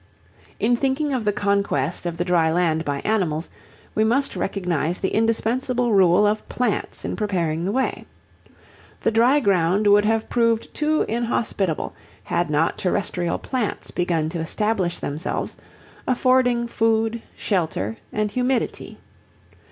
In thinking of the conquest of the dry land by animals, we must recognise the indispensable rôle of plants in preparing the way. The dry ground would have proved too inhospitable had not terrestrial plants begun to establish themselves, affording food, shelter, and humidity.